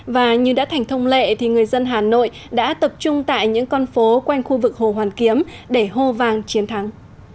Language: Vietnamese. và như đã thành thông lệ thì người dân hà nội đã tập trung tại những con phố quanh khu vực hồ hoàn kiếm để hô vàng chiến thắng